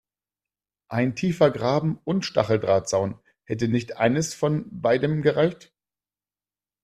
Ein tiefer Graben und Stacheldrahtzaun – hätte nicht eines von beidem gereicht?